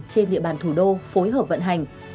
trên địa bàn thủ đô phối hợp vận hành